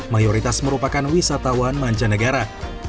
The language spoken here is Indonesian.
mayoritas merupakan wisatawan mancanegara